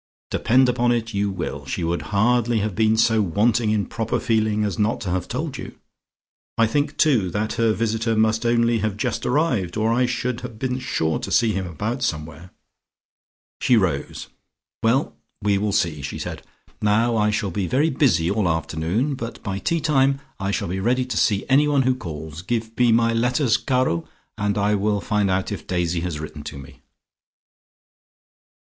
"Depend upon it you will. She would hardly have been so wanting in proper feeling as not to have told you. I think, too, that her visitor must only have just arrived, or I should have been sure to see him about somewhere." She rose. "Well, we will see," she said. "Now I shall be very busy all afternoon, but by tea time I shall be ready to see anyone who calls. Give me my letters, Caro, and I will find out if Daisy has written to me."